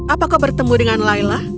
apa kau bertemu dengan layla